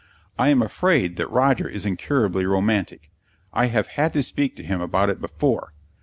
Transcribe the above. I am afraid that Roger is incurably romantic; I have had to speak to him about it before.